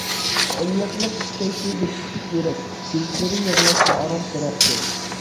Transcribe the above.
ئىللىقلىق ئىستەيتتى بىر كىچىك يۈرەك، كۆزلىرى يىغلاشقا ئاران تۇراتتى.